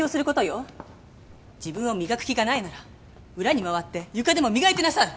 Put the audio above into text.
自分を磨く気がないなら裏に回って床でも磨いてなさい。